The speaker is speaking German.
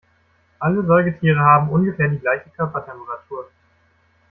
Alle Säugetiere haben ungefähr die gleiche Körpertemperatur.